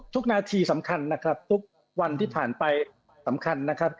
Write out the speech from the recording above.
นาทีสำคัญนะครับทุกวันที่ผ่านไปสำคัญนะครับ